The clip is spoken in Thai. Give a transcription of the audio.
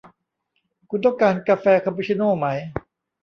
คุณต้องการกาแฟคาปูชิโน่ไหม